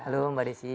halo mbak desi